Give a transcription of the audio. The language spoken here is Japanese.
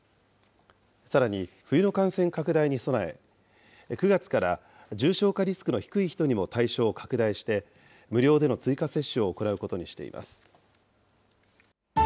さらに冬の感染拡大に備え、９月から重症化リスクの低い人にも対象を拡大して、無料での追加接種を行うことにしています。